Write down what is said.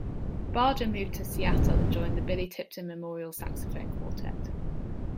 Barger moved to Seattle and joined The Billy Tipton Memorial Saxophone Quartet.